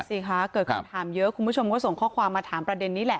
สิคะเกิดคำถามเยอะคุณผู้ชมก็ส่งข้อความมาถามประเด็นนี้แหละ